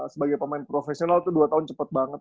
sebagai pemain profesional tuh dua tahun cepat banget